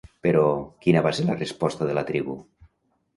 Però, quina va ser la resposta de la tribu?